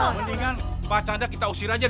mendingan pak chandra kita usir aja